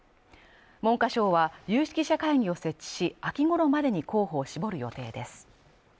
文科省は有識者会議を設置し、秋ごろまでに候補を絞る予定です。